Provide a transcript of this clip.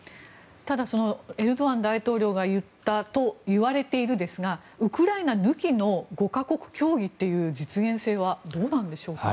ただ、エルドアン大統領が言ったといわれているですがウクライナ抜きの５か国協議という実現性はどうなんでしょうか？